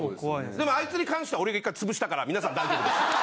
でもアイツに関しては俺が１回潰したから皆さん大丈夫です。